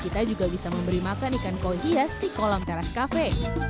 kita juga bisa memberi makan ikan koi hias di kolam teras cafe